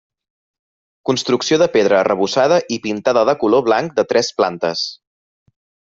Construcció de pedra arrebossada i pintada de color blanc de tres plantes.